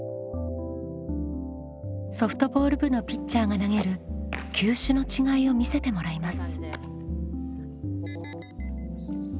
ソフトボール部のピッチャーが投げる球種の違いを見せてもらいます。